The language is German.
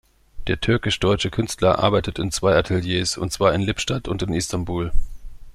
Der türkisch-deutsche Künstler arbeitet in zwei Ateliers, und zwar in Lippstadt und in Istanbul.